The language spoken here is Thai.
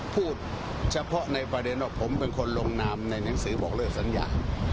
พูดเฉพาะในประเด็นว่าผมเป็นคนลงนามในหนังสือบอกเลิกสัญญา